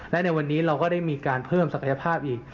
และในวันนี้เราก็ได้มีการเพิ่มศักยภาพอีก